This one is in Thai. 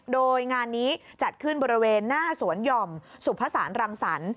โดยงานนี้จัดขึ้นบริเวณหน้าสวนหย่อมสุภาษานรังสรรค์